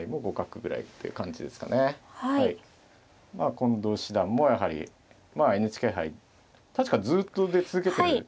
近藤七段もやはりＮＨＫ杯確かずっと出続けてるんですよね。